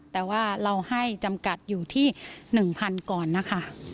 แต่ว่าเราให้จำกัดอยู่ที่๑๐๐๐ก่อนนะคะ